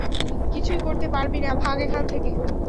কিছুই করতে পারবি না, ভাগ এখানে থেকে।